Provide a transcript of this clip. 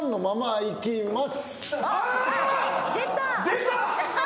出た。